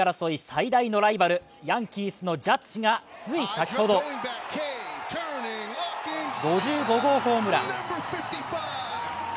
最大のライバル、ヤンキースのジャッジがつい先ほど５５号ホームラン。